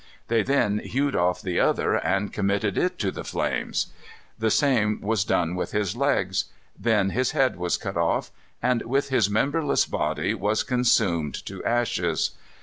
They then hewed off the other and committed it to the flames. The same was done with his legs. Then his head was cut off, and with his memberless body was consumed to ashes.